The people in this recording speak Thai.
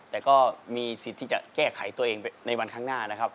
แต่ก็มีสิทธิ์ที่จะแก้ไขตัวเองในวันข้างหน้านะครับ